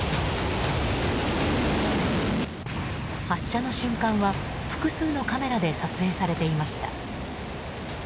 発射の瞬間は複数のカメラで撮影されていました。